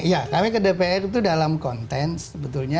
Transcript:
ya kami ke dpr itu dalam konten sebetulnya